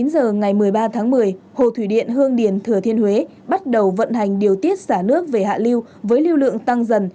chín giờ ngày một mươi ba tháng một mươi hồ thủy điện hương điền thừa thiên huế bắt đầu vận hành điều tiết xả nước về hạ lưu với lưu lượng tăng dần